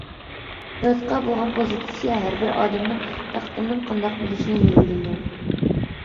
ھاياتقا بولغان پوزىتسىيە ھەر بىر ئادەمنىڭ تەقدىرىنىڭ قانداق بولۇشىنى بەلگىلەيدۇ.